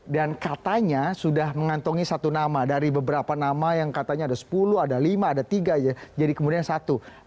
dan katanya sudah mengantongi satu nama dari beberapa nama yang katanya ada sepuluh ada lima ada tiga jadi kemudian satu